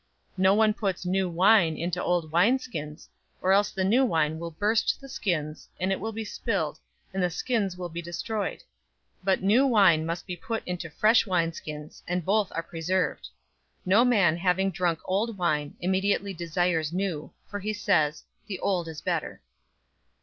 005:037 No one puts new wine into old wineskins, or else the new wine will burst the skins, and it will be spilled, and the skins will be destroyed. 005:038 But new wine must be put into fresh wineskins, and both are preserved. 005:039 No man having drunk old wine immediately desires new, for he says, 'The old is better.'"